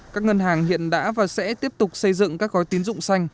các ngân hàng hiện đã và sẽ tiếp tục xây dựng các gói tín dụng xanh